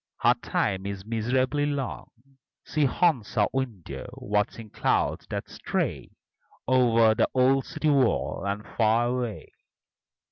Her time is miserably long; She haunts her window, watching clouds that stray O'er the old city wall, and far away.